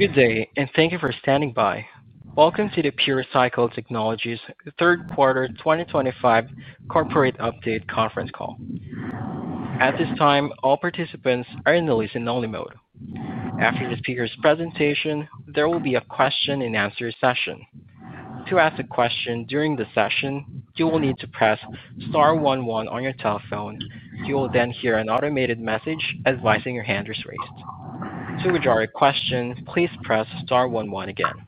Good day, and thank you for standing by. Welcome to the PureCycle Technologies Third Quarter 2025 Corporate Update Conference Call. At this time, all participants are in the listen-only mode. After the speaker's presentation, there will be a question-and-answer session. To ask a question during the session, you will need to press Star 1 1 on your telephone. You will then hear an automated message advising your hand is raised. To regard a question, please press Star 1 1 again.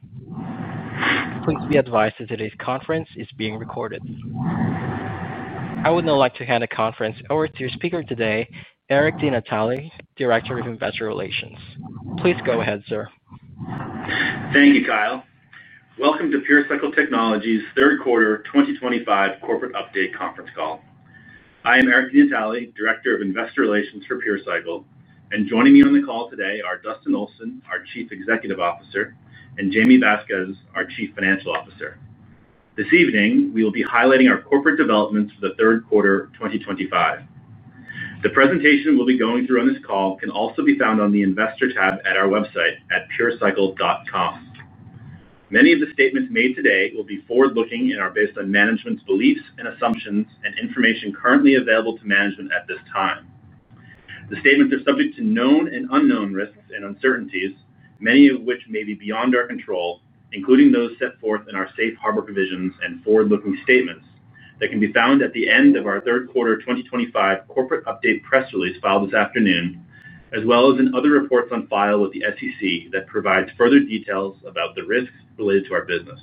Please be advised that today's conference is being recorded. I would now like to hand the conference over to your speaker today, Eric DeNatale, Director of Investor Relations. Please go ahead, sir. Thank you, Kyle. Welcome to PureCycle Technologies Third Quarter 2025 Corporate Update Conference Call. I am Eric DeNatale, Director of Investor Relations for PureCycle, and joining me on the call today are Dustin Olson, our Chief Executive Officer, and Jaime Vasquez, our Chief Financial Officer. This evening, we will be highlighting our corporate developments for the Third Quarter 2025. The presentation we'll be going through on this call can also be found on the Investor tab at our website at purecycle.com. Many of the statements made today will be forward-looking and are based on management's beliefs and assumptions and information currently available to management at this time. The statements are subject to known and unknown risks and uncertainties, many of which may be beyond our control, including those set forth in our Safe Harbor provisions and forward-looking statements that can be found at the end of our Third Quarter 2025 Corporate Update Press Release filed this afternoon, as well as in other reports on file with the SEC that provides further details about the risks related to our business.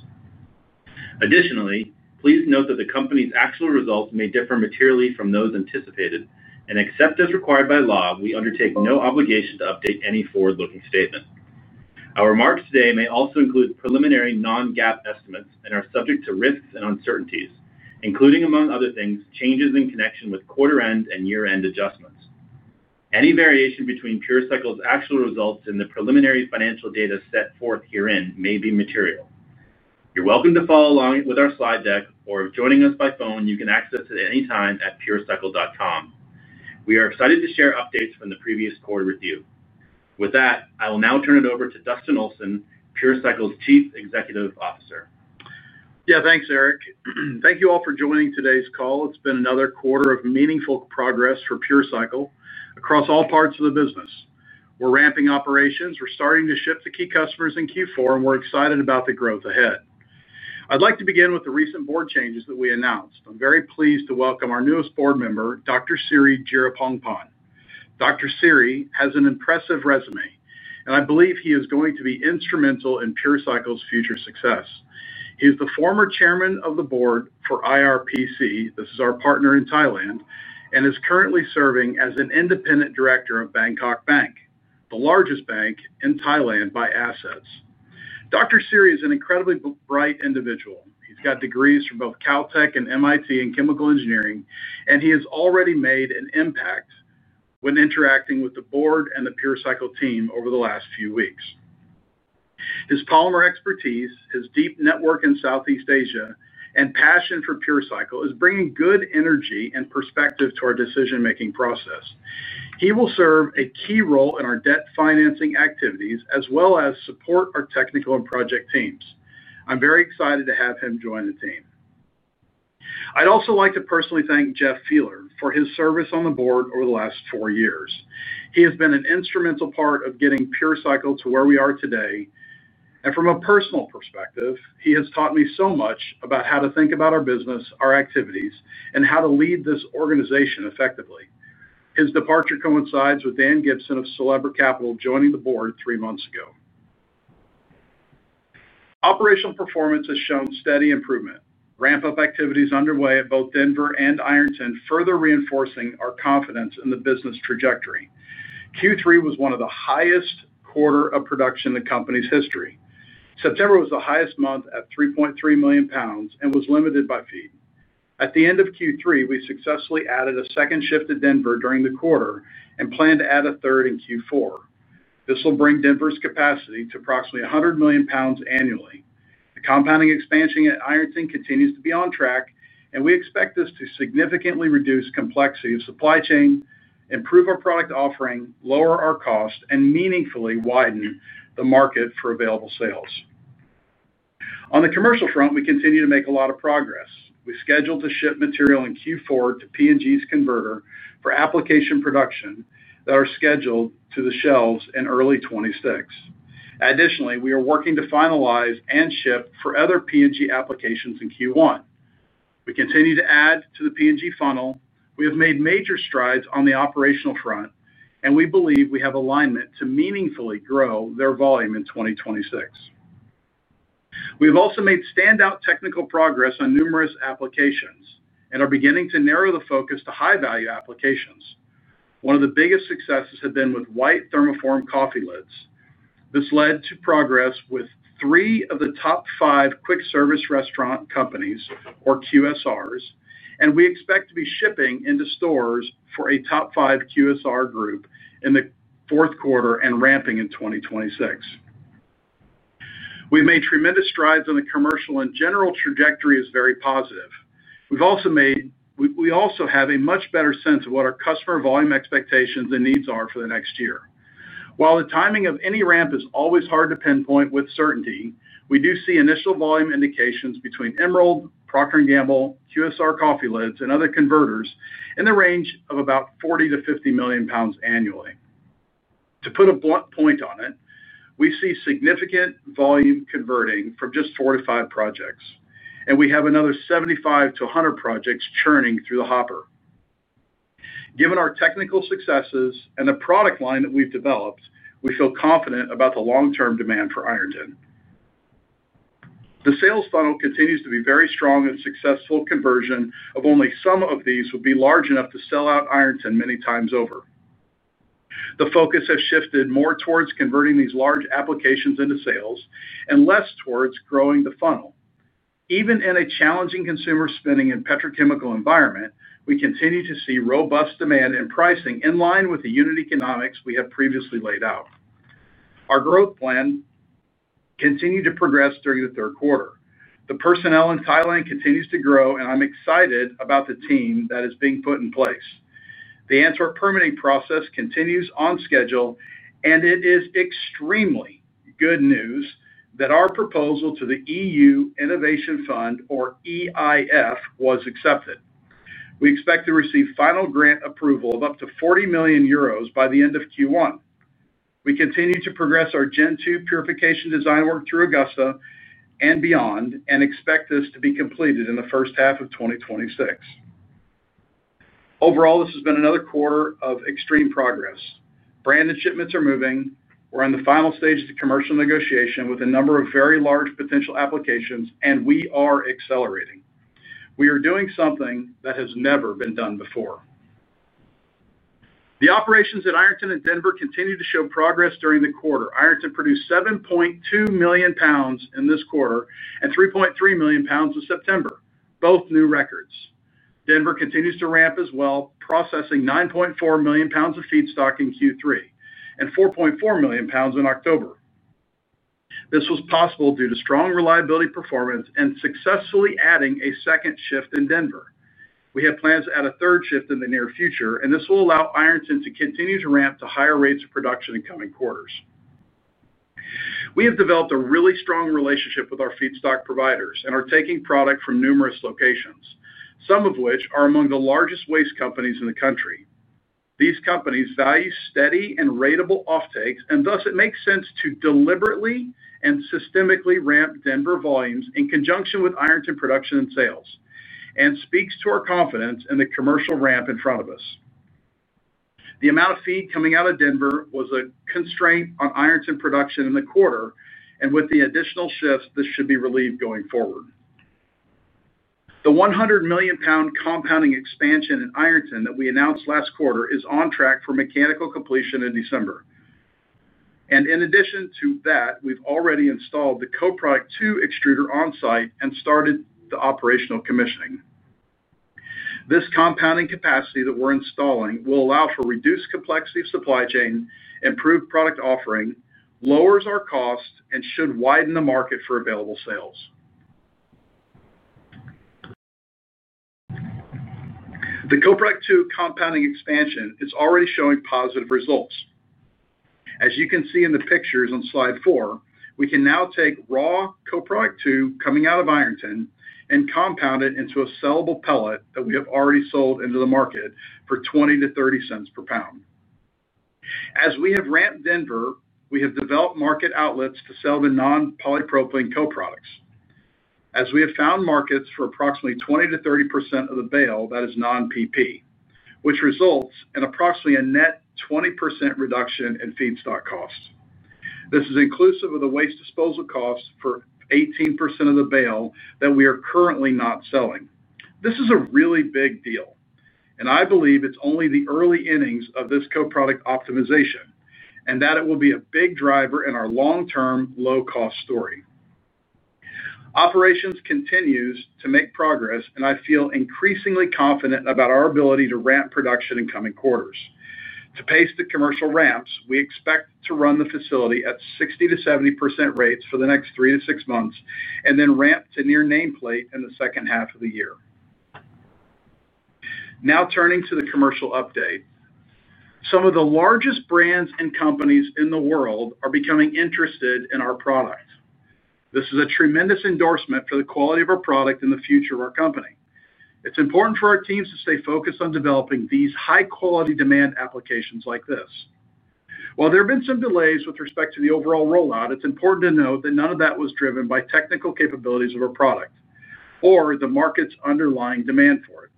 Additionally, please note that the company's actual results may differ materially from those anticipated, and except as required by law, we undertake no obligation to update any forward-looking statement. Our remarks today may also include preliminary non-GAAP estimates and are subject to risks and uncertainties, including, among other things, changes in connection with quarter-end and year-end adjustments. Any variation between PureCycle's actual results and the preliminary financial data set forth herein may be material. You're welcome to follow along with our slide deck, or if joining us by phone, you can access it at any time at purecycle.com. We are excited to share updates from the previous quarter with you. With that, I will now turn it over to Dustin Olson, PureCycle's Chief Executive Officer. Yeah, thanks, Eric. Thank you all for joining today's call. It's been another quarter of meaningful progress for PureCycle across all parts of the business. We're ramping operations, we're starting to shift to key customers in Q4, and we're excited about the growth ahead. I'd like to begin with the recent board changes that we announced. I'm very pleased to welcome our newest board member, Dr. Siri Jirapongpon. Dr. Siri has an impressive resume, and I believe he is going to be instrumental in PureCycle's future success. He's the former chairman of the board for IRPC—this is our partner in Thailand—and is currently serving as an independent director of Bangkok Bank, the largest bank in Thailand by assets. Dr. Siri is an incredibly bright individual. He's got degrees from both Caltech and MIT in chemical engineering, and he has already made an impact when interacting with the board and the PureCycle team over the last few weeks. His polymer expertise, his deep network in Southeast Asia, and passion for PureCycle is bringing good energy and perspective to our decision-making process. He will serve a key role in our debt financing activities as well as support our technical and project teams. I'm very excited to have him join the team. I'd also like to personally thank Jeff Fieler for his service on the board over the last four years. He has been an instrumental part of getting PureCycle to where we are today, and from a personal perspective, he has taught me so much about how to think about our business, our activities, and how to lead this organization effectively. His departure coincides with Dan Gibson of Celebra Capital joining the board three months ago. Operational performance has shown steady improvement. Ramp-up activities underway at both Denver and Ironton further reinforce our confidence in the business trajectory. Q3 was one of the highest quarters of production in the company's history. September was the highest month at $3.3 million and was limited by fee. At the end of Q3, we successfully added a second shift at Denver during the quarter and plan to add a third in Q4. This will bring Denver's capacity to approximately $100 million annually. The compounding expansion at Ironton continues to be on track, and we expect this to significantly reduce the complexity of supply chain, improve our product offering, lower our cost, and meaningfully widen the market for available sales. On the commercial front, we continue to make a lot of progress. We scheduled to ship material in Q4 to P&G's converter for application production that are scheduled to the shelves in early 2026. Additionally, we are working to finalize and ship for other P&G applications in Q1. We continue to add to the P&G funnel. We have made major strides on the operational front, and we believe we have alignment to meaningfully grow their volume in 2026. We have also made standout technical progress on numerous applications and are beginning to narrow the focus to high-value applications. One of the biggest successes has been with white thermoform coffee lids. This led to progress with three of the top five quick-service restaurant companies, or QSRs, and we expect to be shipping into stores for a top five QSR group in the fourth quarter and ramping in 2026. We've made tremendous strides on the commercial, and general trajectory is very positive. We also have a much better sense of what our customer volume expectations and needs are for the next year. While the timing of any ramp is always hard to pinpoint with certainty, we do see initial volume indications between Emerald, Procter & Gamble, QSR coffee lids, and other converters in the range of about $40 million-$50 million annually. To put a blunt point on it, we see significant volume converting from just four to five projects, and we have another 75-100 projects churning through the hopper. Given our technical successes and the product line that we've developed, we feel confident about the long-term demand for Ironton. The sales funnel continues to be very strong and successful. Conversion of only some of these would be large enough to sell out Ironton many times over. The focus has shifted more towards converting these large applications into sales and less towards growing the funnel. Even in a challenging consumer spending and petrochemical environment, we continue to see robust demand and pricing in line with the unity economics we have previously laid out. Our growth plan continued to progress during the third quarter. The personnel in Thailand continues to grow, and I'm excited about the team that is being put in place. The Antwerp permitting process continues on schedule, and it is extremely good news that our proposal to the EU Innovation Fund, or EIF, was accepted. We expect to receive final grant approval of up to 40 million euros by the end of Q1. We continue to progress our Gen Two purification design work through Augusta and beyond and expect this to be completed in the first half of 2026. Overall, this has been another quarter of extreme progress. Branded shipments are moving. We're in the final stage of the commercial negotiation with a number of very large potential applications, and we are accelerating. We are doing something that has never been done before. The operations at Ironton and Denver continue to show progress during the quarter. Ironton produced 7.2 million lbs in this quarter and 3.3 million lbs in September, both new records. Denver continues to ramp as well, processing 9.4 million lbs of feedstock in Q3 and 4.4 million lbs in October. This was possible due to strong reliability performance and successfully adding a second shift in Denver. We have plans to add a third shift in the near future, and this will allow Ironton to continue to ramp to higher rates of production in coming quarters. We have developed a really strong relationship with our feedstock providers and are taking product from numerous locations, some of which are among the largest waste companies in the country. These companies value steady and ratable offtakes, and thus it makes sense to deliberately and systemically ramp Denver volumes in conjunction with Ironton production and sales, and speaks to our confidence in the commercial ramp in front of us. The amount of feed coming out of Denver was a constraint on Ironton production in the quarter, and with the additional shifts, this should be relieved going forward. The $100 million compounding expansion in Ironton that we announced last quarter is on track for mechanical completion in December. In addition to that, we have already installed the CoProduct 2 extruder on site and started the operational commissioning. This compounding capacity that we're installing will allow for reduced complexity of supply chain, improved product offering, lowers our cost, and should widen the market for available sales. The CoProduct 2 compounding expansion is already showing positive results. As you can see in the pictures on slide four, we can now take raw CoProduct 2 coming out of Ironton and compound it into a sellable pellet that we have already sold into the market for $0.20-$0.30 per pound. As we have ramped Denver, we have developed market outlets to sell the non-polypropylene CoProducts. As we have found markets for approximately 20-30% of the bale, that is non-PP, which results in approximately a net 20% reduction in feedstock cost. This is inclusive of the waste disposal cost for 18% of the bale that we are currently not selling. This is a really big deal, and I believe it's only the early innings of this CoProduct optimization and that it will be a big driver in our long-term low-cost story. Operations continues to make progress, and I feel increasingly confident about our ability to ramp production in coming quarters. To pace the commercial ramps, we expect to run the facility at 60-70% rates for the next three to six months and then ramp to near nameplate in the second half of the year. Now turning to the commercial update, some of the largest brands and companies in the world are becoming interested in our product. This is a tremendous endorsement for the quality of our product and the future of our company. It's important for our teams to stay focused on developing these high-quality demand applications like this. While there have been some delays with respect to the overall rollout, it's important to note that none of that was driven by technical capabilities of our product or the market's underlying demand for it.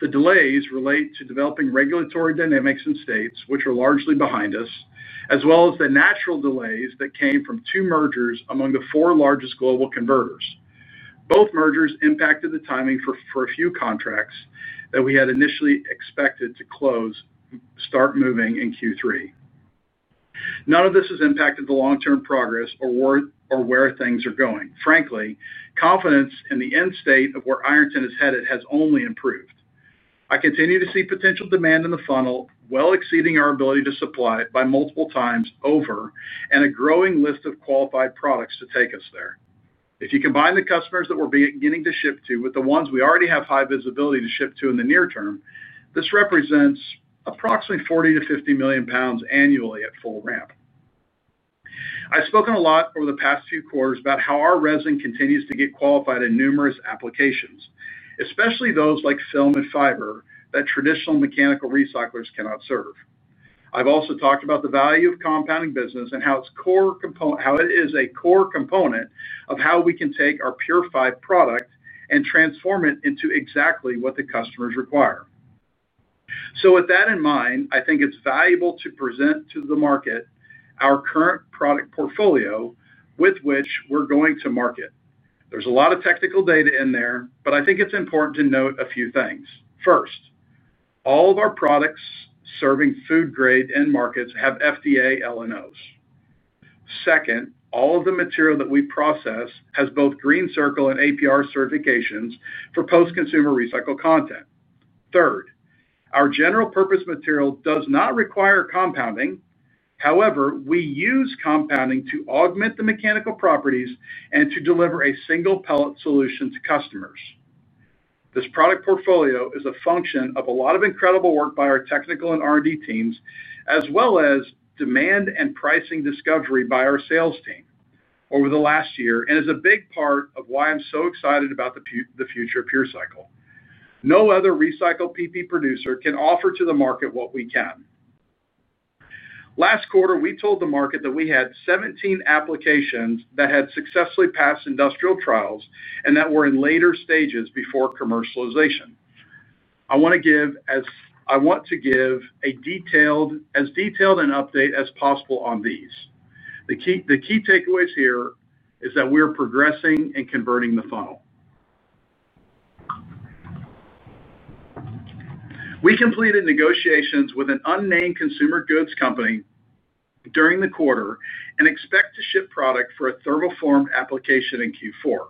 The delays relate to developing regulatory dynamics in states, which are largely behind us, as well as the natural delays that came from two mergers among the four largest global converters. Both mergers impacted the timing for a few contracts that we had initially expected to close, start moving in Q3. None of this has impacted the long-term progress or where things are going. Frankly, confidence in the end state of where Ironton is headed has only improved. I continue to see potential demand in the funnel, well exceeding our ability to supply by multiple times over, and a growing list of qualified products to take us there. If you combine the customers that we're beginning to ship to with the ones we already have high visibility to ship to in the near term, this represents approximately $40 million-$50 million annually at full ramp. I've spoken a lot over the past few quarters about how our resin continues to get qualified in numerous applications, especially those like film and fiber that traditional mechanical recyclers cannot serve. I've also talked about the value of compounding business and how it's a core component of how we can take our purified product and transform it into exactly what the customers require. With that in mind, I think it's valuable to present to the market our current product portfolio with which we're going to market. There's a lot of technical data in there, but I think it's important to note a few things. First. All of our products serving food-grade end markets have FDA LNOs. Second, all of the material that we process has both GreenCircle and APR certifications for post-consumer recycled content. Third, our general-purpose material does not require compounding. However, we use compounding to augment the mechanical properties and to deliver a single pellet solution to customers. This product portfolio is a function of a lot of incredible work by our technical and R&D teams, as well as demand and pricing discovery by our sales team over the last year, and is a big part of why I'm so excited about the future of PureCycle. No other recycled PP producer can offer to the market what we can. Last quarter, we told the market that we had 17 applications that had successfully passed industrial trials and that were in later stages before commercialization. I want to give as detailed an update as possible on these. The key takeaways here are that we are progressing and converting the funnel. We completed negotiations with an unnamed consumer goods company during the quarter and expect to ship product for a thermoform application in Q4.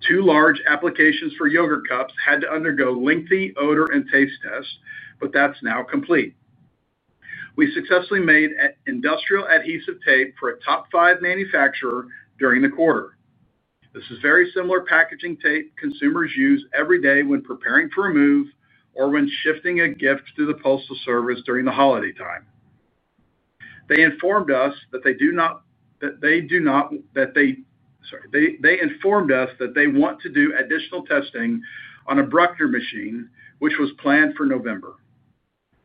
Two large applications for yogurt cups had to undergo lengthy odor and taste tests, but that's now complete. We successfully made industrial adhesive tape for a top five manufacturer during the quarter. This is very similar packaging tape consumers use every day when preparing for a move or when shipping a gift to the postal service during the holiday time. They informed us that they want to do additional testing on a Bruckner machine, which was planned for November.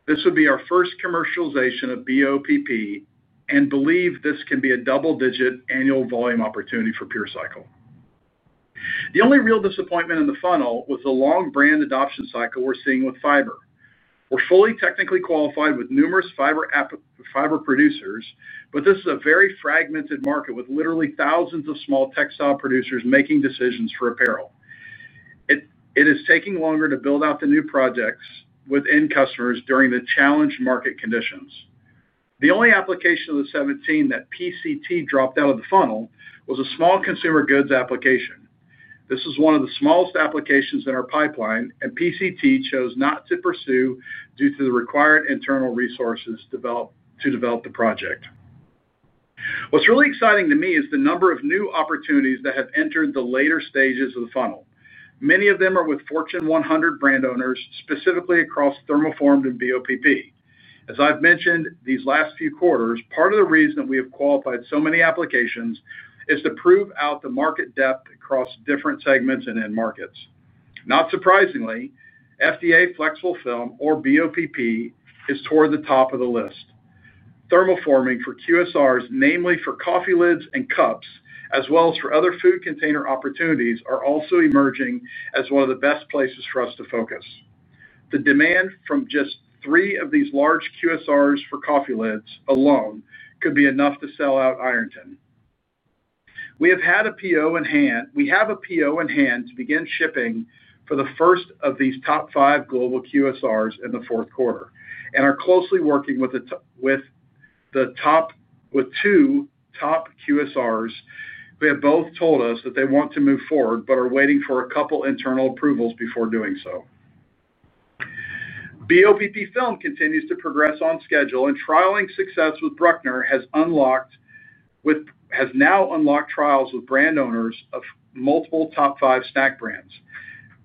This would be our first commercialization of BOPP and believe this can be a double-digit annual volume opportunity for PureCycle. The only real disappointment in the funnel was the long brand adoption cycle we're seeing with fiber. We're fully technically qualified with numerous fiber producers, but this is a very fragmented market with literally thousands of small textile producers making decisions for apparel. It is taking longer to build out the new projects with end customers during the challenged market conditions. The only application of the 17 that PCT dropped out of the funnel was a small consumer goods application. This is one of the smallest applications in our pipeline, and PCT chose not to pursue due to the required internal resources to develop the project. What's really exciting to me is the number of new opportunities that have entered the later stages of the funnel. Many of them are with Fortune 100 brand owners, specifically across thermoform and BOPP. As I've mentioned these last few quarters, part of the reason that we have qualified so many applications is to prove out the market depth across different segments and end markets. Not surprisingly, FDA Flexible Film, or BOPP, is toward the top of the list. Thermoforming for QSRs, namely for coffee lids and cups, as well as for other food container opportunities, are also emerging as one of the best places for us to focus. The demand from just three of these large QSRs for coffee lids alone could be enough to sell out Ironton. We have had a PO in hand. We have a PO in hand to begin shipping for the first of these top five global QSRs in the fourth quarter and are closely working with. The top with two top QSRs who have both told us that they want to move forward but are waiting for a couple internal approvals before doing so. BOPP film continues to progress on schedule, and trialing success with Bruckner has now unlocked trials with brand owners of multiple top five snack brands.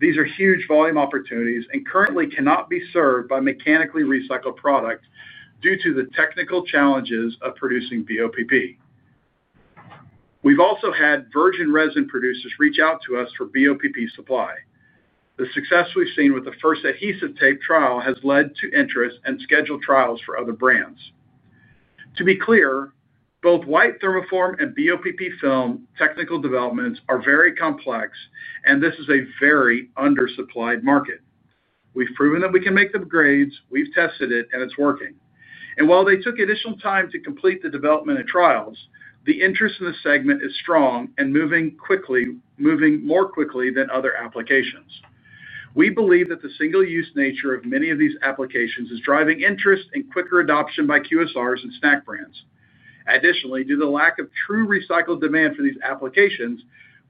These are huge volume opportunities and currently cannot be served by mechanically recycled product due to the technical challenges of producing BOPP. We've also had virgin resin producers reach out to us for BOPP supply. The success we've seen with the first adhesive tape trial has led to interest and scheduled trials for other brands. To be clear, both white thermoform and BOPP film technical developments are very complex, and this is a very undersupplied market. We've proven that we can make them grades. We've tested it, and it's working. While they took additional time to complete the development and trials, the interest in the segment is strong and moving quickly, moving more quickly than other applications. We believe that the single-use nature of many of these applications is driving interest and quicker adoption by QSRs and snack brands. Additionally, due to the lack of true recycled demand for these applications,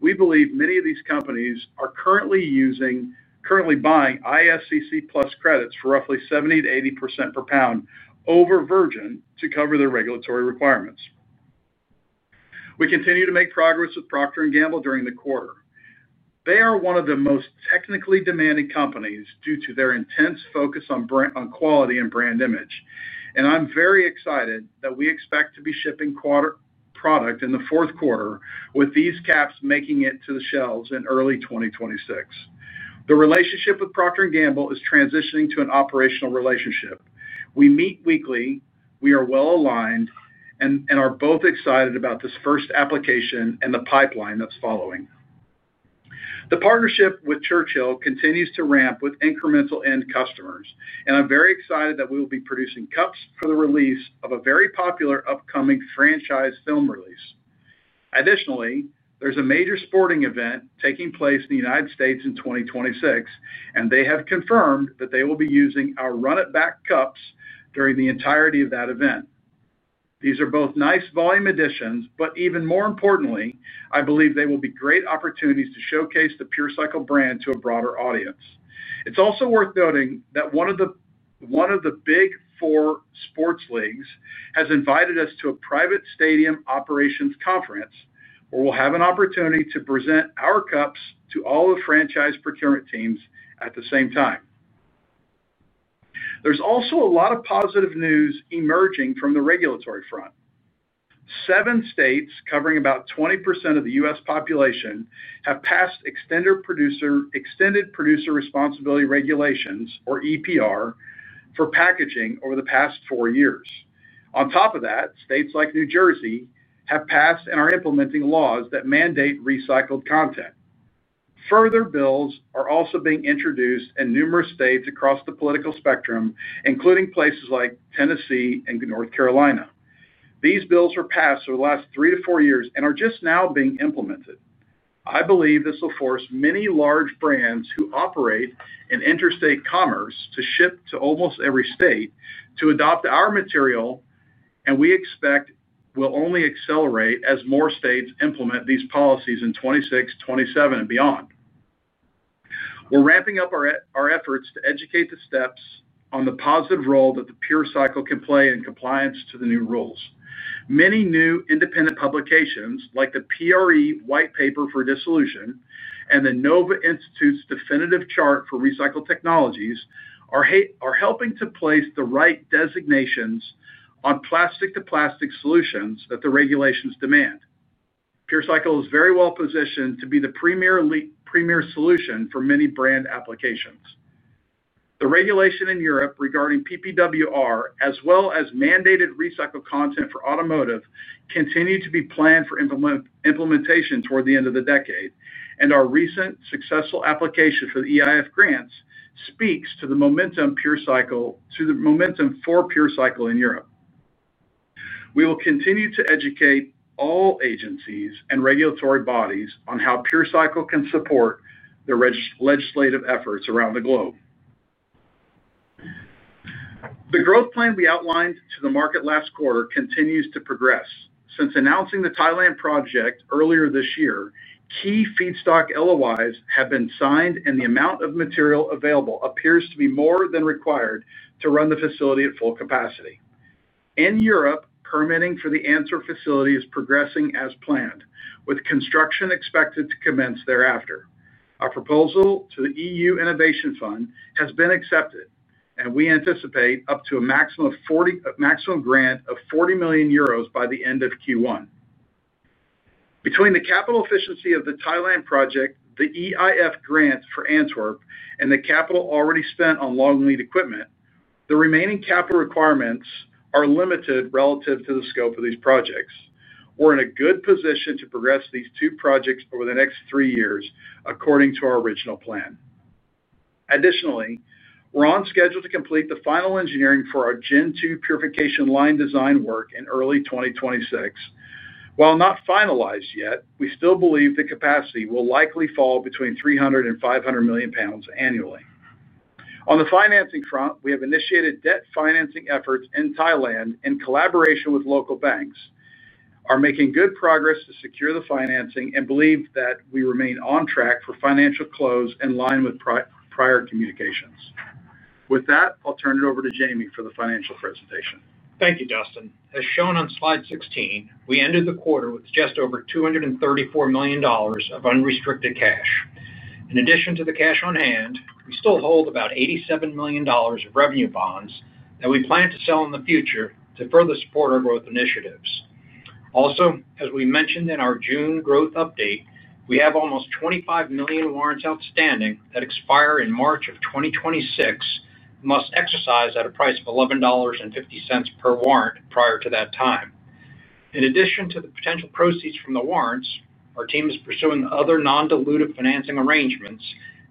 we believe many of these companies are currently using, currently buying ISCC Plus credits for roughly 70%-80% per pound over virgin to cover their regulatory requirements. We continue to make progress with Procter & Gamble during the quarter. They are one of the most technically demanding companies due to their intense focus on quality and brand image. I am very excited that we expect to be shipping product in the fourth quarter with these caps making it to the shelves in early 2026. The relationship with Procter & Gamble is transitioning to an operational relationship. We meet weekly. We are well aligned and are both excited about this first application and the pipeline that's following. The partnership with Churchill continues to ramp with incremental end customers, and I'm very excited that we will be producing cups for the release of a very popular upcoming franchise film release. Additionally, there's a major sporting event taking place in the United States in 2026, and they have confirmed that they will be using our run-at-back cups during the entirety of that event. These are both nice volume additions, but even more importantly, I believe they will be great opportunities to showcase the PureCycle brand to a broader audience. It's also worth noting that one of the. Big four sports leagues has invited us to a private stadium operations conference where we'll have an opportunity to present our cups to all the franchise procurement teams at the same time. There's also a lot of positive news emerging from the regulatory front. Seven states covering about 20% of the U.S. population have passed extended producer responsibility regulations, or EPR, for packaging over the past four years. On top of that, states like New Jersey have passed and are implementing laws that mandate recycled content. Further bills are also being introduced in numerous states across the political spectrum, including places like Tennessee and North Carolina. These bills were passed over the last three to four years and are just now being implemented. I believe this will force many large brands who operate in interstate commerce to ship to almost every state to adopt our material, and we expect will only accelerate as more states implement these policies in 2026, 2027, and beyond. We're ramping up our efforts to educate the states on the positive role that PureCycle can play in compliance to the new rules. Many new independent publications like the PRE White Paper for Dissolution and the Nova Institute's Definitive Chart for Recycled Technologies are helping to place the right designations on plastic-to-plastic solutions that the regulations demand. PureCycle is very well positioned to be the premier solution for many brand applications. The regulation in Europe regarding PPWR, as well as mandated recycled content for automotive, continue to be planned for implementation toward the end of the decade. Our recent successful application for the EU Innovation Fund grants speaks to the momentum for PureCycle in Europe. We will continue to educate all agencies and regulatory bodies on how PureCycle can support the legislative efforts around the globe. The growth plan we outlined to the market last quarter continues to progress. Since announcing the Thailand project earlier this year, key feedstock LOIs have been signed, and the amount of material available appears to be more than required to run the facility at full capacity. In Europe, permitting for the Antwerp facility is progressing as planned, with construction expected to commence thereafter. Our proposal to the EU Innovation Fund has been accepted, and we anticipate up to a maximum grant of 40 million euros by the end of Q1. Between the capital efficiency of the Thailand project, the EU Innovation Fund grant for Antwerp, and the capital already spent on long-lead equipment, the remaining capital requirements are limited relative to the scope of these projects. We're in a good position to progress these two projects over the next three years, according to our original plan. Additionally, we're on schedule to complete the final engineering for our Gen Two purification line design work in early 2026. While not finalized yet, we still believe the capacity will likely fall between $300 million and $500 million annually. On the financing front, we have initiated debt financing efforts in Thailand in collaboration with local banks. We are making good progress to secure the financing and believe that we remain on track for financial close in line with prior communications. With that, I'll turn it over to Jaime for the financial presentation. Thank you, Dustin. As shown on slide 16, we ended the quarter with just over $234 million of unrestricted cash. In addition to the cash on hand, we still hold about $87 million of revenue bonds that we plan to sell in the future to further support our growth initiatives. Also, as we mentioned in our June growth update, we have almost 25 million warrants outstanding that expire in March of 2026. Must exercise at a price of $11.50 per warrant prior to that time. In addition to the potential proceeds from the warrants, our team is pursuing other non-dilutive financing arrangements,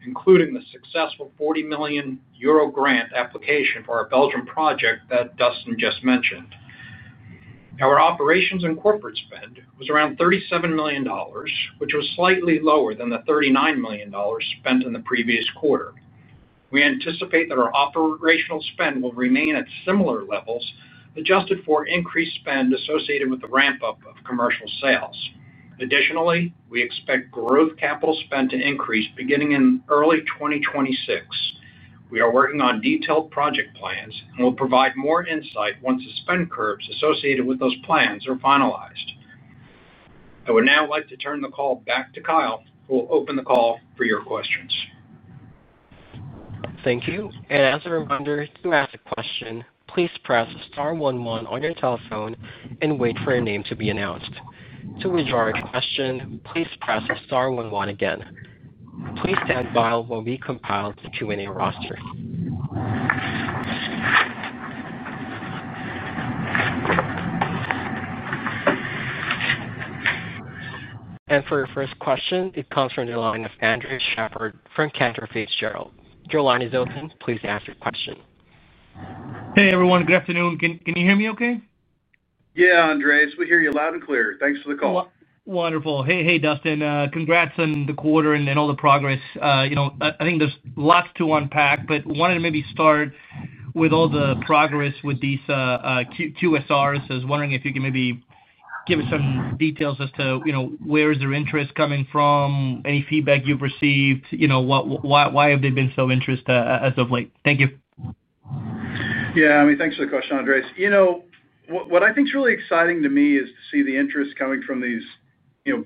including the successful 40 million euro grant application for our Belgian project that Dustin just mentioned. Our operations and corporate spend was around $37 million, which was slightly lower than the $39 million spent in the previous quarter. We anticipate that our operational spend will remain at similar levels, adjusted for increased spend associated with the ramp-up of commercial sales. Additionally, we expect growth capital spend to increase beginning in early 2026. We are working on detailed project plans and will provide more insight once the spend curves associated with those plans are finalized. I would now like to turn the call back to Kyle, who will open the call for your questions. Thank you. As a reminder to ask a question, please press Star one one on your telephone and wait for your name to be announced. To withdraw your question, please press Star one one again. Please stand while we compile the Q&A roster. For your first question, it comes from the line of Andres Sheppard from Cantor Fitzgerald. Your line is open. Please ask your question. Hey, everyone. Good afternoon. Can you hear me okay? Yeah, Andres. We hear you loud and clear. Thanks for the call. Wonderful. Hey, hey, Dustin. Congrats on the quarter and all the progress. I think there's lots to unpack, but wanted to maybe start with all the progress with these QSRs. I was wondering if you could maybe give us some details as to where is their interest coming from, any feedback you've received, why have they been so interested as of late. Thank you. Yeah, I mean, thanks for the question, Andres. What I think is really exciting to me is to see the interest coming from these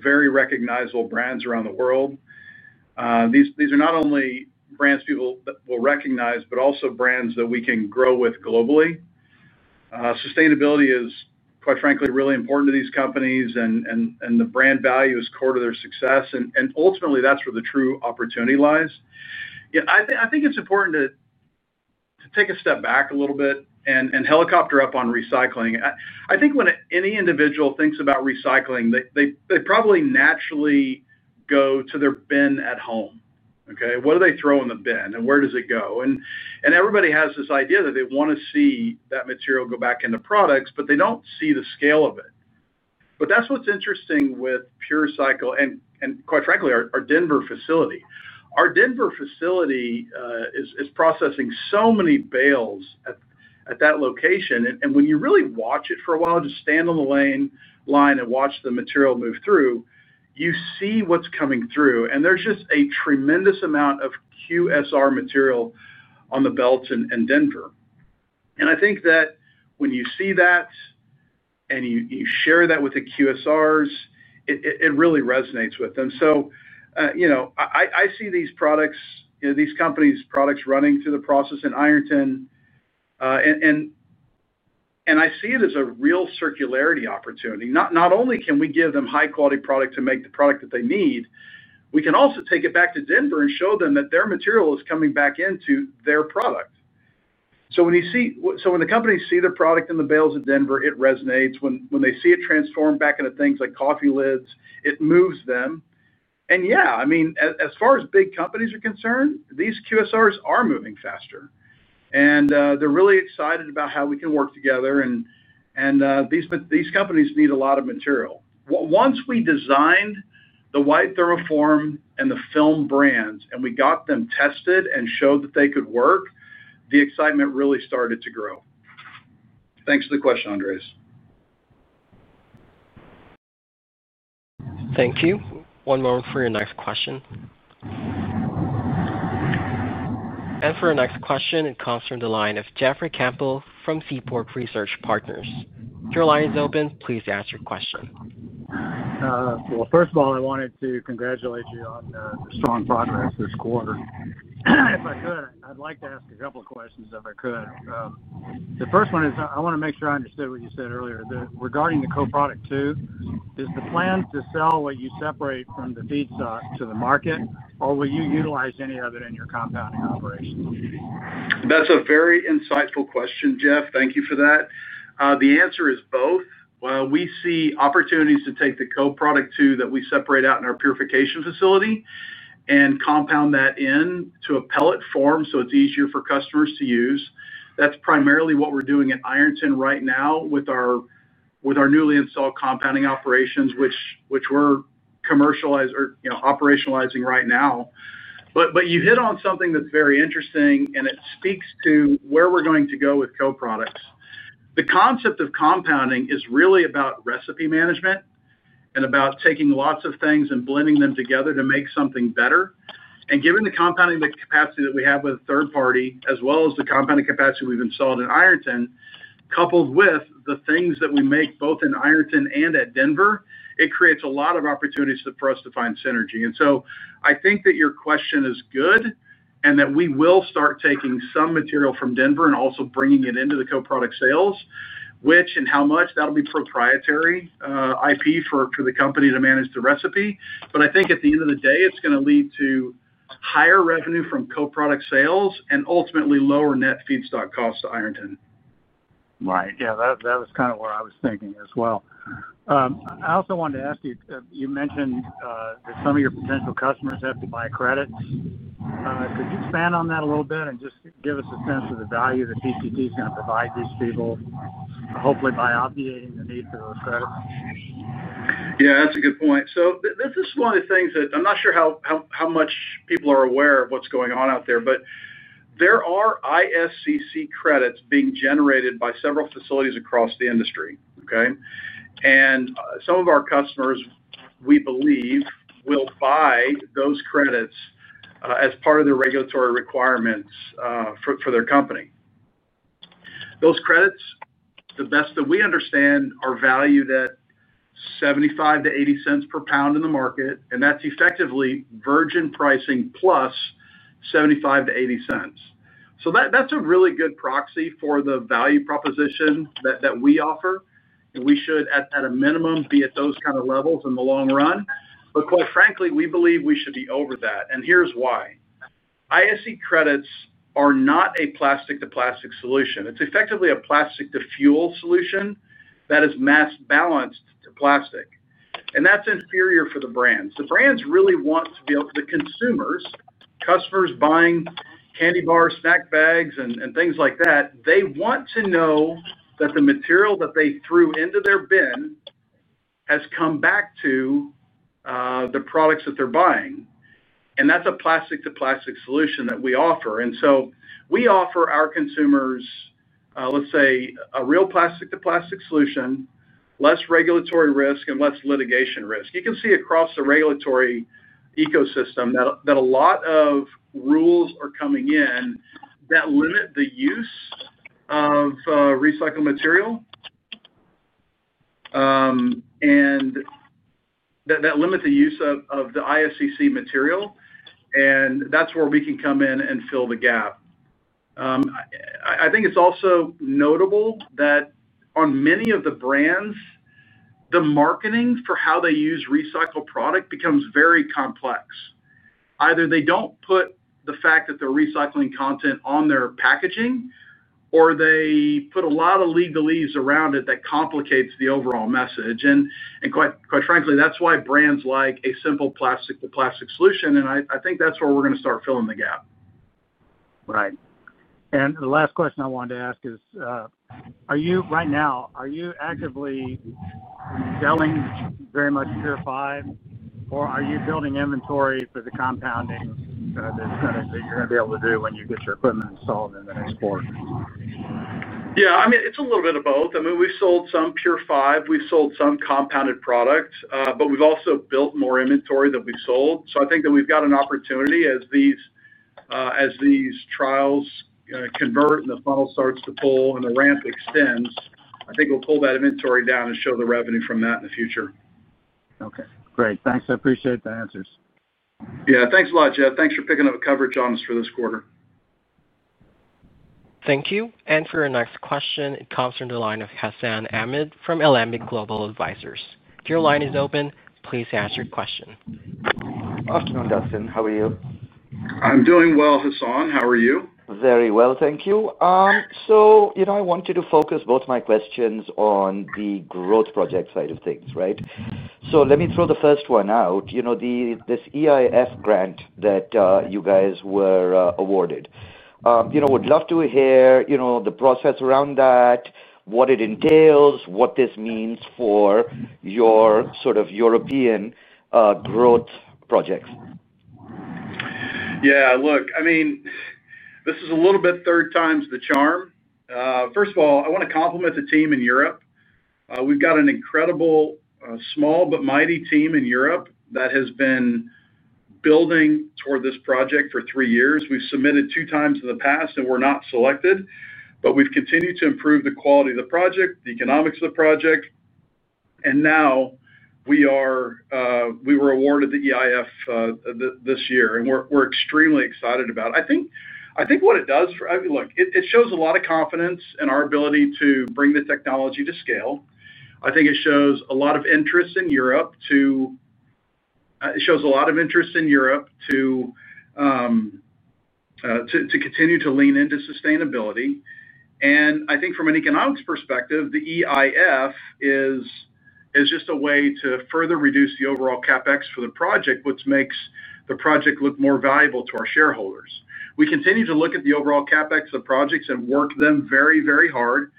very recognizable brands around the world. These are not only brands people will recognize, but also brands that we can grow with globally. Sustainability is, quite frankly, really important to these companies, and the brand value is core to their success. Ultimately, that's where the true opportunity lies. I think it's important to take a step back a little bit and helicopter up on recycling. I think when any individual thinks about recycling, they probably naturally go to their bin at home. Okay? What do they throw in the bin, and where does it go? Everybody has this idea that they want to see that material go back into products, but they do not see the scale of it. That is what is interesting with PureCycle and, quite frankly, our Denver facility. Our Denver facility is processing so many bales at that location. When you really watch it for a while, just stand on the line and watch the material move through, you see what is coming through. There is just a tremendous amount of QSR material on the belts in Denver. I think that when you see that. You share that with the QSRs, it really resonates with them. I see these products, these companies' products running through the process in Ironton. I see it as a real circularity opportunity. Not only can we give them high-quality product to make the product that they need, we can also take it back to Denver and show them that their material is coming back into their product. When the companies see the product in the bales in Denver, it resonates. When they see it transformed back into things like coffee lids, it moves them. As far as big companies are concerned, these QSRs are moving faster. They are really excited about how we can work together. These companies need a lot of material. Once we designed the white thermoform and the film brands and we got them tested and showed that they could work, the excitement really started to grow. Thanks for the question, Andres. Thank you. One moment for your next question. For your next question, it comes from the line of Jeffrey Campbell from Seaport Research Partners. Your line is open. Please ask your question. First of all, I wanted to congratulate you on the strong progress this quarter. If I could, I'd like to ask a couple of questions if I could. The first one is I want to make sure I understood what you said earlier. Regarding the CoProduct 2, is the plan to sell what you separate from the feedstock to the market, or will you utilize any of it in your compounding operation? That's a very insightful question, Jeff. Thank you for that. The answer is both. We see opportunities to take the CoProduct 2 that we separate out in our purification facility and compound that into a pellet form so it is easier for customers to use. That is primarily what we are doing at Ironton right now with our newly installed compounding operations, which we are operationalizing right now. You hit on something that is very interesting, and it speaks to where we are going to go with co-products. The concept of compounding is really about recipe management and about taking lots of things and blending them together to make something better. Given the compounding capacity that we have with a third party, as well as the compounding capacity we have installed in Ironton, coupled with the things that we make both in Ironton and at Denver, it creates a lot of opportunities for us to find synergy. I think that your question is good and that we will start taking some material from Denver and also bringing it into the co-product sales, which and how much, that'll be proprietary IP for the company to manage the recipe. I think at the end of the day, it's going to lead to higher revenue from co-product sales and ultimately lower net feedstock costs to Ironton. Right. Yeah, that was kind of what I was thinking as well. I also wanted to ask you, you mentioned that some of your potential customers have to buy credits. Could you expand on that a little bit and just give us a sense of the value that PCT is going to provide these people. Hopefully by obviating the need for those credits. Yeah, that's a good point. This is one of the things that I'm not sure how much people are aware of what's going on out there, but there are ISCC credits being generated by several facilities across the industry. Okay? Some of our customers, we believe, will buy those credits as part of their regulatory requirements for their company. Those credits, the best that we understand, are valued at $0.75-$0.80 per pound in the market, and that's effectively virgin pricing plus $0.75-$0.80. That's a really good proxy for the value proposition that we offer. We should, at a minimum, be at those kind of levels in the long run. Quite frankly, we believe we should be over that, and here's why. ISCC credits are not a plastic-to-plastic solution. It's effectively a plastic-to-fuel solution that is mass-balanced to plastic, and that's inferior for the brands. The brands really want to be able to—the consumers, customers buying candy bars, snack bags, and things like that—they want to know that the material that they threw into their bin has come back to the products that they're buying. That is a plastic-to-plastic solution that we offer. We offer our consumers, let's say, a real plastic-to-plastic solution, less regulatory risk, and less litigation risk. You can see across the regulatory ecosystem that a lot of rules are coming in that limit the use of recycled material, and that limit the use of the ISCC material. That is where we can come in and fill the gap. I think it's also notable that on many of the brands, the marketing for how they use recycled product becomes very complex. Either they do not put the fact that they are recycling content on their packaging, or they put a lot of legalese around it that complicates the overall message. Quite frankly, that is why brands like a simple plastic-to-plastic solution. I think that is where we are going to start filling the gap. Right. The last question I wanted to ask is, right now, are you actively selling very much PureFive, or are you building inventory for the compounding that you are going to be able to do when you get your equipment installed in the next quarter? Yeah. I mean, it is a little bit of both. I mean, we have sold some PureFive. We have sold some compounded product, but we have also built more inventory than we have sold. I think that we have got an opportunity as these. Trials convert and the funnel starts to pull and the ramp extends, I think we'll pull that inventory down and show the revenue from that in the future. Okay. Great. Thanks. I appreciate the answers. Yeah. Thanks a lot, Jeff. Thanks for picking up coverage on us for this quarter. Thank you. For your next question, it comes from the line of Hassan Ahmed from Alembic Global Advisors. Your line is open, please ask your question. Afternoon, Dustin. How are you? I'm doing well, Hassan. How are you? Very well. Thank you. I wanted to focus both my questions on the growth project side of things, right? Let me throw the first one out. This EU Innovation Fund grant that you guys were awarded. Would love to hear the process around that, what it entails, what this means for your sort of European growth projects. Yeah. Look, I mean, this is a little bit third time's the charm. First of all, I want to compliment the team in Europe. We've got an incredible, small but mighty team in Europe that has been building toward this project for three years. We've submitted two times in the past, and were not selected. We've continued to improve the quality of the project, the economics of the project. Now we were awarded the EIF this year, and we're extremely excited about it. I think what it does, look, it shows a lot of confidence in our ability to bring the technology to scale. I think it shows a lot of interest in Europe to continue to lean into sustainability. I think from an economics perspective, the EIF is. Just a way to further reduce the overall CapEx for the project, which makes the project look more valuable to our shareholders. We continue to look at the overall CapEx of projects and work them very, very hard.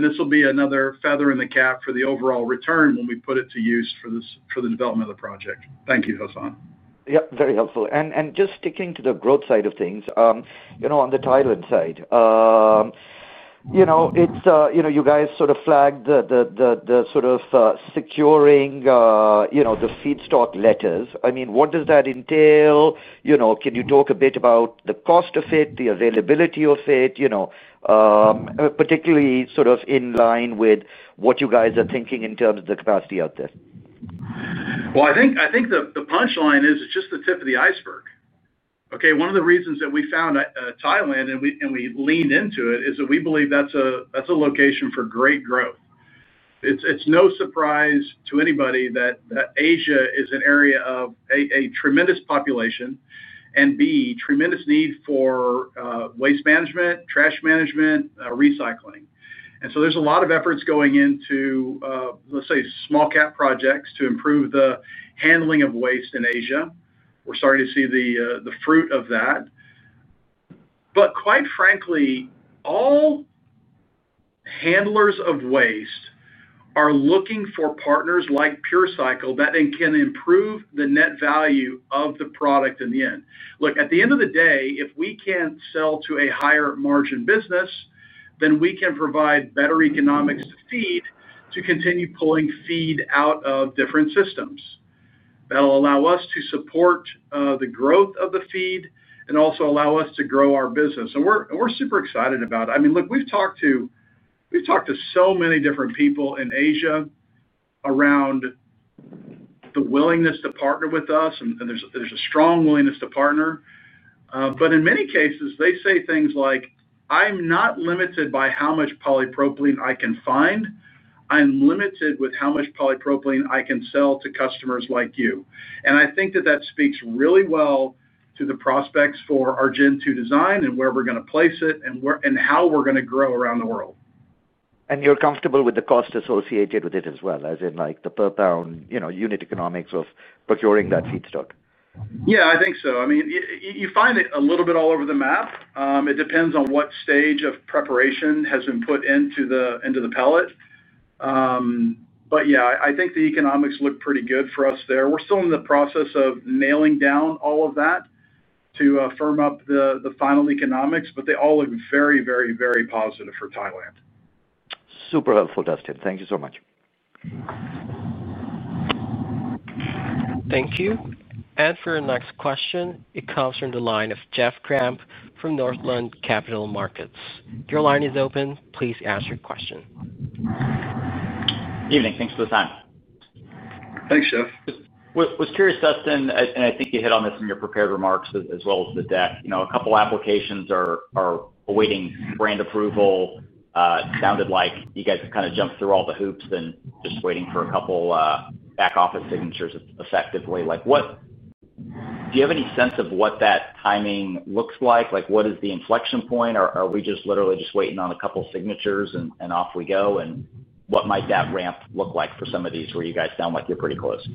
This will be another feather in the cap for the overall return when we put it to use for the development of the project. Thank you, Hassan. Yep. Very helpful. Just sticking to the growth side of things. On the Thailand side, you guys sort of flagged the sort of securing the feedstock letters. I mean, what does that entail? Can you talk a bit about the cost of it, the availability of it, particularly sort of in line with what you guys are thinking in terms of the capacity out there? I think the punchline is it's just the tip of the iceberg. Okay? One of the reasons that we found Thailand and we leaned into it is that we believe that's a location for great growth. It's no surprise to anybody that Asia is an area of, A, tremendous population, and, B, tremendous need for waste management, trash management, recycling. There is a lot of efforts going into, let's say, small cap projects to improve the handling of waste in Asia. We're starting to see the fruit of that. Quite frankly, all handlers of waste are looking for partners like PureCycle that can improve the net value of the product in the end. Look, at the end of the day, if we can sell to a higher margin business, then we can provide better economics to feed to continue pulling feed out of different systems. That'll allow us to support the growth of the feed and also allow us to grow our business. We're super excited about it. I mean, look, we've talked to so many different people in Asia around the willingness to partner with us. There's a strong willingness to partner. In many cases, they say things like, "I'm not limited by how much polypropylene I can find. I'm limited with how much polypropylene I can sell to customers like you." I think that speaks really well to the prospects for our Gen Two design and where we're going to place it and how we're going to grow around the world. You're comfortable with the cost associated with it as well, as in the per pound unit economics of procuring that feedstock? Yeah, I think so. I mean, you find it a little bit all over the map. It depends on what stage of preparation has been put into the pellet. But yeah, I think the economics look pretty good for us there. We're still in the process of nailing down all of that to firm up the final economics, but they all look very, very, very positive for Thailand. Super helpful, Dustin. Thank you so much. Thank you. For your next question, it comes from the line of Jeff Grampp from Northland Capital Markets. Your line is open. Please ask your question. Evening. Thanks for the time. Thanks, Jeff. Was curious, Dustin, and I think you hit on this in your prepared remarks as well as the deck, a couple of applications are awaiting brand approval. Sounded like you guys have kind of jumped through all the hoops and just waiting for a couple of back office signatures effectively. Do you have any sense of what that timing looks like? What is the inflection point? Are we just literally just waiting on a couple of signatures and off we go? What might that ramp look like for some of these where you guys sound like you're pretty close?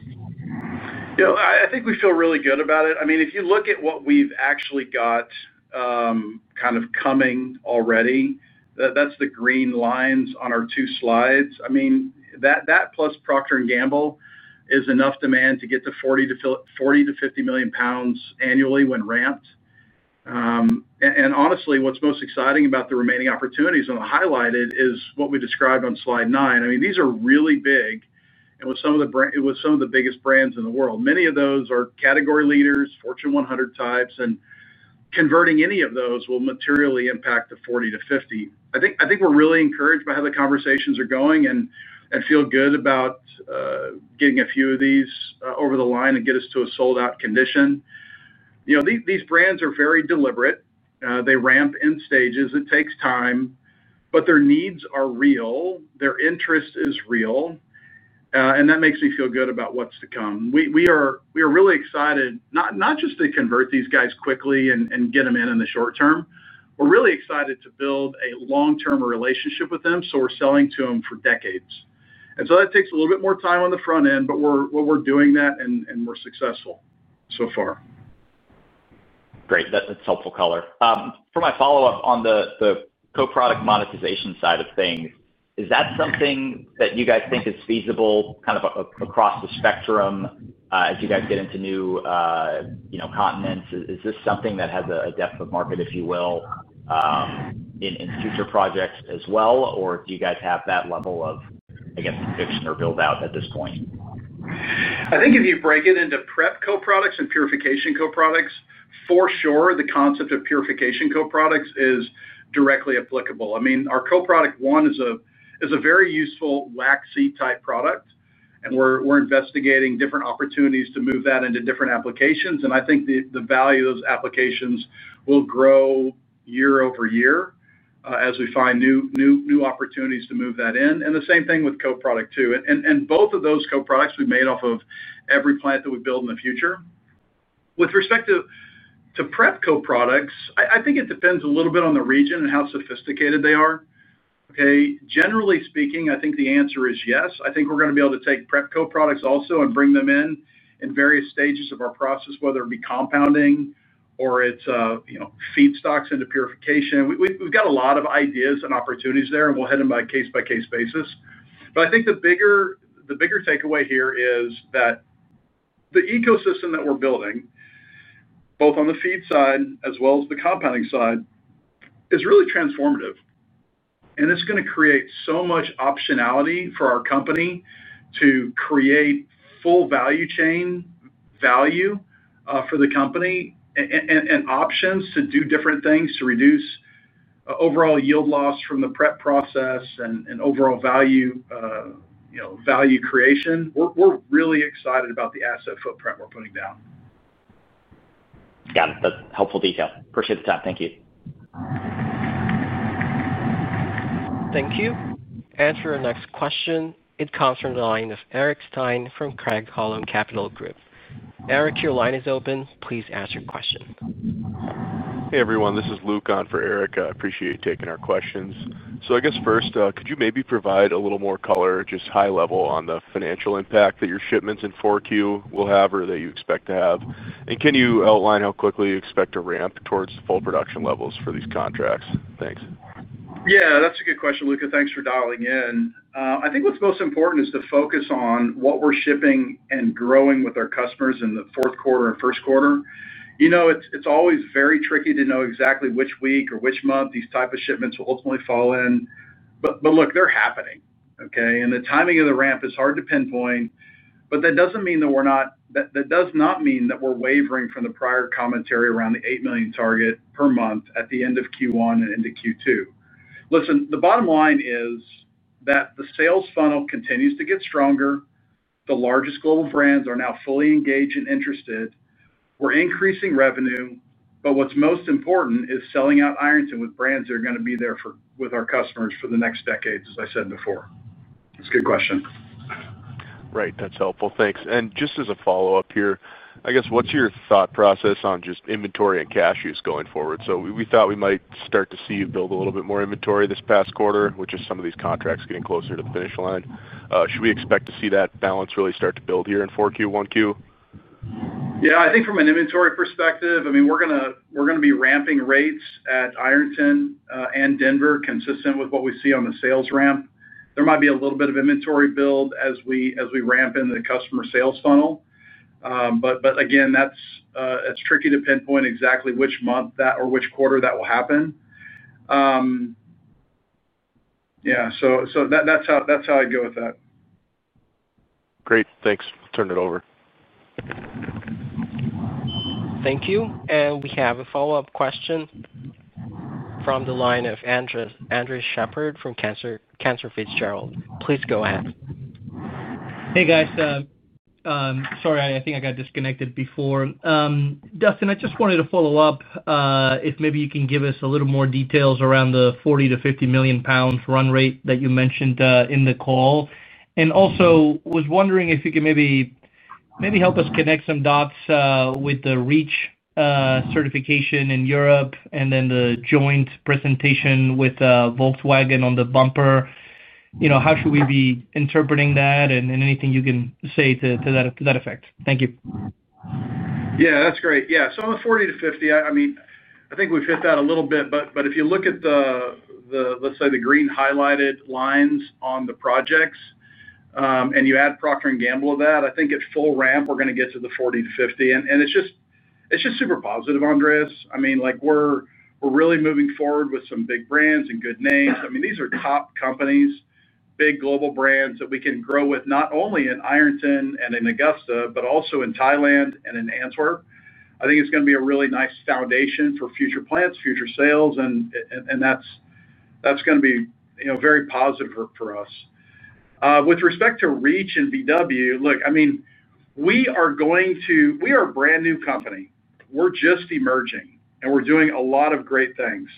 I think we feel really good about it. I mean, if you look at what we've actually got kind of coming already, that's the green lines on our two slides. I mean, that plus Procter & Gamble is enough demand to get to 40 million-50 million lbs annually when ramped. Honestly, what's most exciting about the remaining opportunities and the highlighted is what we described on slide nine. I mean, these are really big, and with some of the biggest brands in the world, many of those are category leaders, Fortune 100 types. Converting any of those will materially impact the 40 million-50 million. I think we're really encouraged by how the conversations are going and feel good about getting a few of these over the line and get us to a sold-out condition. These brands are very deliberate. They ramp in stages. It takes time. Their needs are real. Their interest is real. That makes me feel good about what's to come. We are really excited, not just to convert these guys quickly and get them in in the short term. We're really excited to build a long-term relationship with them. We're selling to them for decades. That takes a little bit more time on the front end, but we're doing that, and we're successful so far. Great. That's helpful color. For my follow-up on the co-product monetization side of things, is that something that you guys think is feasible kind of across the spectrum as you guys get into new continents? Is this something that has a depth of market, if you will, in future projects as well, or do you guys have that level of, I guess, conviction or build-out at this point? I think if you break it into prep co-products and purification co-products, for sure, the concept of purification co-products is directly applicable. I mean, our co-product one is a very useful waxy-type product, and we're investigating different opportunities to move that into different applications. I think the value of those applications will grow year over year as we find new opportunities to move that in. The same thing with CoProduct 2. Both of those co-products will be made off of every plant that we build in the future. With respect to prep co-products, I think it depends a little bit on the region and how sophisticated they are. Okay? Generally speaking, I think the answer is yes. I think we're going to be able to take prep co-products also and bring them in in various stages of our process, whether it be compounding or it's feedstocks into purification. We've got a lot of ideas and opportunities there, and we'll hit them on a case-by-case basis. I think the bigger takeaway here is that. The ecosystem that we're building, both on the feed side as well as the compounding side, is really transformative. It is going to create so much optionality for our company to create full value chain value for the company. Options to do different things to reduce overall yield loss from the prep process and overall value creation. We're really excited about the asset footprint we're putting down. Got it. That's helpful detail. Appreciate the time. Thank you. Thank you. For your next question, it comes from the line of Eric Stine from Craig-Hallum Capital Group. Eric, your line is open. Please ask your question. Hey, everyone. This is Luke on for Eric. I appreciate you taking our questions. I guess first, could you maybe provide a little more color, just high level, on the financial impact that your shipments in Q4 will have or that you expect to have? Can you outline how quickly you expect to ramp towards full production levels for these contracts? Thanks. Yeah. That's a good question, Luke. Thanks for dialing in. I think what's most important is to focus on what we're shipping and growing with our customers in the fourth quarter and first quarter. It's always very tricky to know exactly which week or which month these types of shipments will ultimately fall in. Look, they're happening, okay? The timing of the ramp is hard to pinpoint. That does not mean that we're wavering from the prior commentary around the 8 million target per month at the end of Q1 and into Q2. Listen, the bottom line is that the sales funnel continues to get stronger. The largest global brands are now fully engaged and interested. We're increasing revenue. What is most important is selling out Ironton with brands that are going to be there with our customers for the next decades, as I said before. That is a good question. Right. That is helpful. Thanks. Just as a follow-up here, I guess what is your thought process on just inventory and cash use going forward? We thought we might start to see you build a little bit more inventory this past quarter, which is some of these contracts getting closer to the finish line. Should we expect to see that balance really start to build here in Q4, Q1? Yeah. I think from an inventory perspective, I mean, we're going to be ramping rates at Ironton and Denver consistent with what we see on the sales ramp. There might be a little bit of inventory build as we ramp in the customer sales funnel. Again, that's tricky to pinpoint exactly which month or which quarter that will happen. Yeah. That's how I'd go with that. Great. Thanks. Turn it over. Thank you. We have a follow-up question from the line of Andres Sheppard from Cantor Fitzgerald. Please go ahead. Hey, guys. Sorry, I think I got disconnected before. Dustin, I just wanted to follow up if maybe you can give us a little more details around the 40 million-50 million lbs run rate that you mentioned in the call. Also, I was wondering if you could maybe help us connect some dots with the REACH certification in Europe and then the joint presentation with Volkswagen on the bumper. How should we be interpreting that and anything you can say to that effect? Thank you. Yeah. That's great. Yeah. On the 40 million-50 million, I mean, I think we've hit that a little bit. If you look at the, let's say, the green highlighted lines on the projects and you add Procter & Gamble to that, I think at full ramp, we're going to get to the 40 million-50 million. It's just super positive, Andres. I mean, we're really moving forward with some big brands and good names. I mean, these are top companies, big global brands that we can grow with not only in Ironton and in Augusta, but also in Thailand and in Antwerp. I think it's going to be a really nice foundation for future plants, future sales. That is going to be very positive for us. With respect to REACH and VW, look, I mean, we are going to—we are a brand new company. We're just emerging, and we're doing a lot of great things.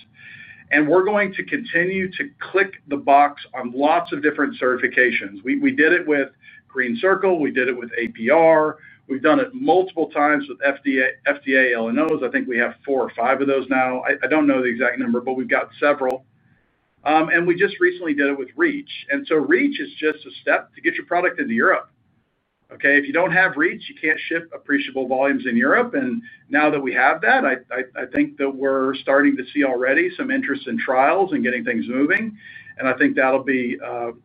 We're going to continue to click the box on lots of different certifications. We did it with GreenCircle. We did it with APR. We've done it multiple times with FDA LNOs. I think we have four or five of those now. I do not know the exact number, but we've got several. We just recently did it with REACH. REACH is just a step to get your product into Europe. If you do not have REACH, you cannot ship appreciable volumes in Europe. Now that we have that, I think that we are starting to see already some interest in trials and getting things moving. I think that will be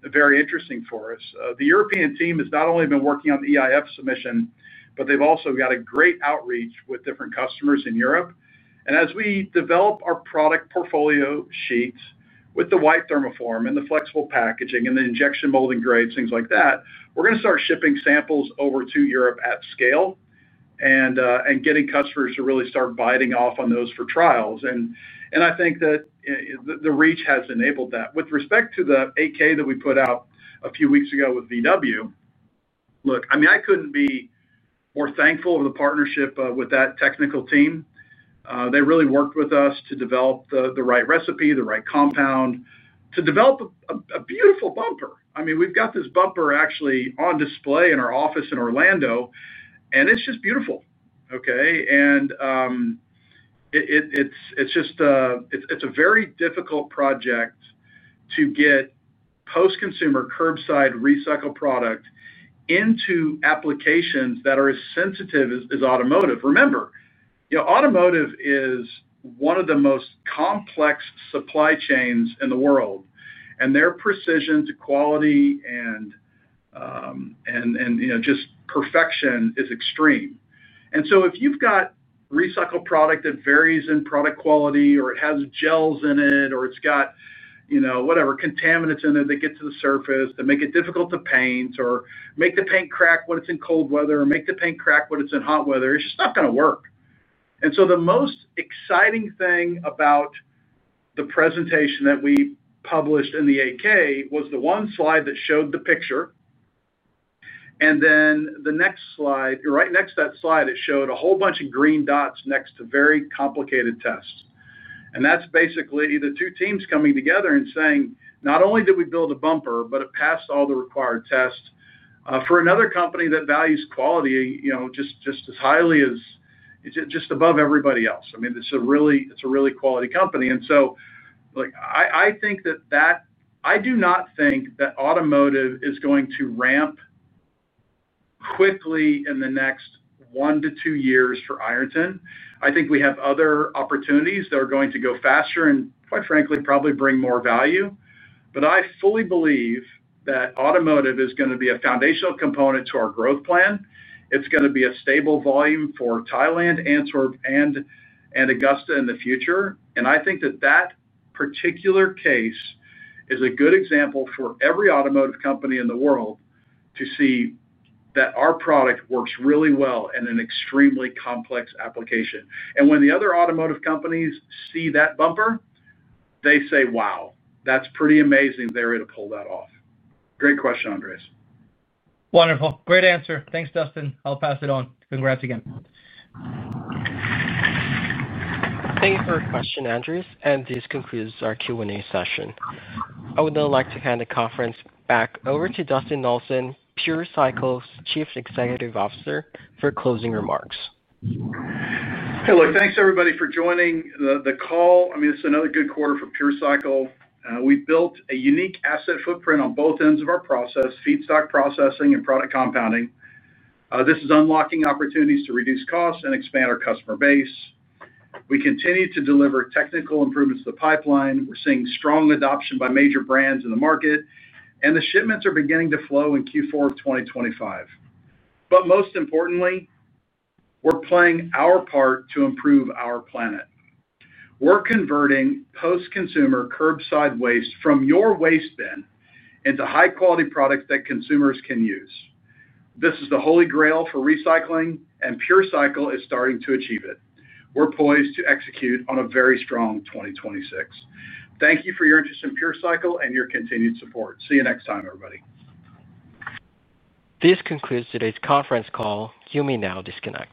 very interesting for us. The European team has not only been working on the EIF submission, but they have also got a great outreach with different customers in Europe. As we develop our product portfolio sheets with the white thermoform and the flexible packaging and the injection molding grades, things like that, we are going to start shipping samples over to Europe at scale and getting customers to really start biting off on those for trials. I think that the REACH has enabled that. With respect to the 8K that we put out a few weeks ago with VW. Look, I mean, I could not be more thankful of the partnership with that technical team. They really worked with us to develop the right recipe, the right compound, to develop a beautiful bumper. I mean, we have got this bumper actually on display in our office in Orlando, and it is just beautiful. Okay? It is a very difficult project to get post-consumer curbside recycled product into applications that are as sensitive as automotive. Remember, automotive is one of the most complex supply chains in the world. Their precision to quality and just perfection is extreme. If you have got recycled product that varies in product quality or it has gels in it or it has got. Whatever contaminants in it that get to the surface that make it difficult to paint or make the paint crack when it is in cold weather or make the paint crack when it is in hot weather, it is just not going to work. The most exciting thing about the presentation that we published in the 8K was the one slide that showed the picture. The next slide, right next to that slide, it showed a whole bunch of green dots next to very complicated tests. That is basically the two teams coming together and saying, "Not only did we build a bumper, but it passed all the required tests for another company that values quality just as highly as. Just above everybody else." I mean, it is a really quality company. I think that that—I do not think that automotive is going to ramp. Quickly in the next one to two years for Ironton. I think we have other opportunities that are going to go faster and, quite frankly, probably bring more value. I fully believe that automotive is going to be a foundational component to our growth plan. It is going to be a stable volume for Thailand, Antwerp, and Augusta in the future. I think that that particular case is a good example for every automotive company in the world to see that our product works really well in an extremely complex application. When the other automotive companies see that bumper, they say, "Wow, that's pretty amazing that they're able to pull that off." Great question, Andres. Wonderful. Great answer. Thanks, Dustin. I'll pass it on. Congrats again. Thank you for your question, Andres. This concludes our Q&A session. I would now like to hand the conference back over to Dustin Olson, PureCycle's Chief Executive Officer, for closing remarks. Hey, look, thanks, everybody, for joining the call. I mean, it's another good quarter for PureCycle. We've built a unique asset footprint on both ends of our process: feedstock processing and product compounding. This is unlocking opportunities to reduce costs and expand our customer base. We continue to deliver technical improvements to the pipeline. We're seeing strong adoption by major brands in the market. The shipments are beginning to flow in Q4 of 2025. Most importantly, we're playing our part to improve our planet. We're converting post-consumer curbside waste from your waste bin into high-quality products that consumers can use. This is the Holy Grail for recycling, and PureCycle is starting to achieve it. We're poised to execute on a very strong 2026. Thank you for your interest in PureCycle and your continued support. See you next time, everybody. This concludes today's conference call. You may now disconnect.